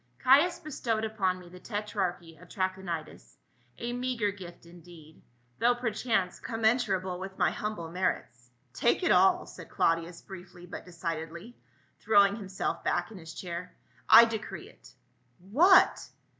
" Caius bestowed upon me the tetrarchy of Trachonitis, a meagre gift indeed, though perchance commensurable with my humble merits." "Take it all," said Claudius briefly but decidedly, throwing himself back in his chair. " I decree it." " What